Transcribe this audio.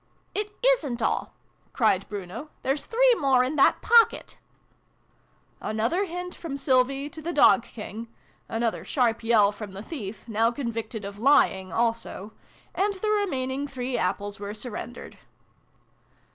"It isrit all !" cried Bruno. " There's three more in that pocket !" Another hint from Sylvie to the Dog King another sharp yell from the thief, now convicted of lying also and the remaining three apples were surrendered.